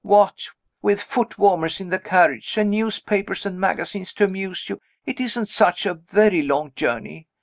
What with foot warmers in the carriage, and newspapers and magazines to amuse you, it isn't such a very long journey.